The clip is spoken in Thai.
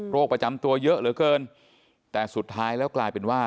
ประจำตัวเยอะเหลือเกินแต่สุดท้ายแล้วกลายเป็นว่า